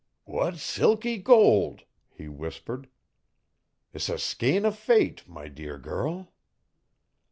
'What silky gold!' he whispered.' 'S a skein o' fate, my dear girl!'